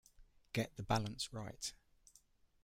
Get the Balance Right!